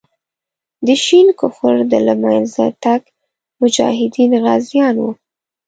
د شین کفر د له منځه تګ مجاهدین غازیان وو.